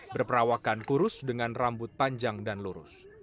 berperawakan kurus dengan rambut panjang dan lurus